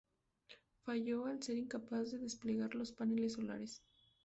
Falló al ser incapaz de desplegar los paneles solares.